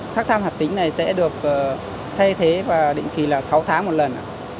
thác tham hạt tính này sẽ được thay thế và định kỳ là sáu tháng một lần